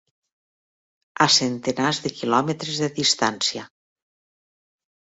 ...a centenars de quilòmetres de distància